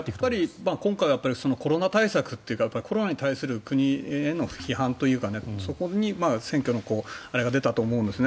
今回はコロナ対策というかコロナに対する国への批判というかそこに選挙のあれが出たと思うんですね。